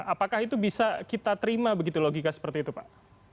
apakah itu bisa kita terima begitu logika seperti itu pak